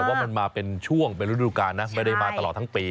แต่ว่ามันมาเป็นช่วงเป็นฤดูการนะไม่ได้มาตลอดทั้งปี